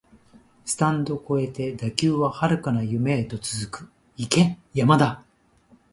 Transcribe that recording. スタンド超えて打球は遥かな夢へと続く、行け山田